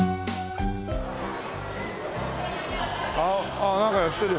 あっなんかやってるよ。